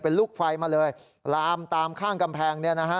เป็นลูกไฟมาเลยลามตามข้างกำแพง